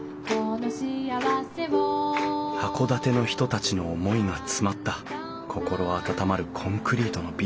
函館の人たちの思いが詰まった心温まるコンクリートのビル。